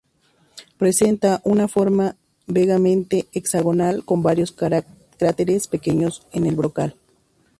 Presenta una forma vagamente hexagonal, con varios cráteres pequeños en el brocal.